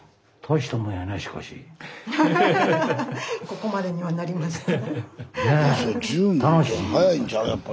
ここまでにはなりました。